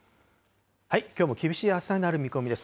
きょうも厳しい暑さになる見込みです。